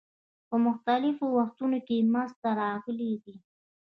په مختلفو وختونو کې منځته راغلي دي.